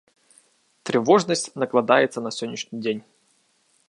Трывожнасць накладаецца на сённяшні дзень.